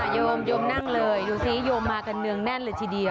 โยมโยมนั่งเลยดูสิโยมมากันเนืองแน่นเลยทีเดียว